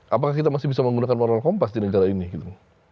apakah kita masih bisa menggunakan warna kompas di negara ini gitu